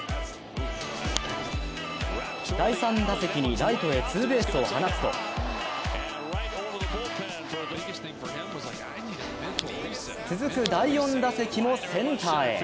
第３打席にライトへツーベースを放つと続く第４打席もセンターへ。